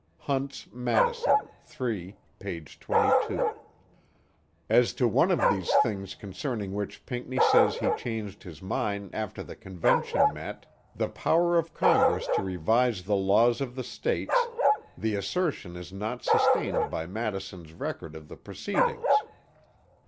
Hunt's Madison, III, p. 22. As to one of these things concerning which Pinckney says he changed his mind after the Convention met, the power of Congress to revise the laws of the States, the assertion is not sustained by Madison's record of the proceedings.